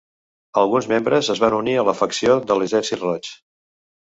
Alguns membres es van unir a la facció de l'Exèrcit Roig.